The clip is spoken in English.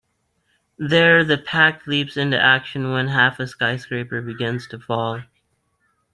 There, the Pact leaps into action when half a skyscraper begins to fall.